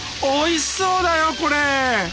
おいしそうだよこれ！